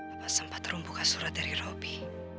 apa sempat rum buka surat dari robby